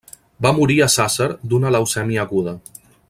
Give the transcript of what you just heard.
Va morir a Sàsser d'una leucèmia aguda.